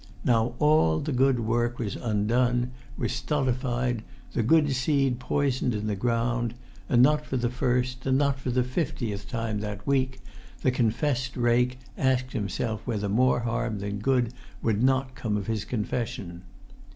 Now all the good work was undone, was stultified, the good seed poisoned in the ground; and not for the first, and not for the fiftieth time that week, the confessed rake asked himself whether more harm than good would not come of his confession.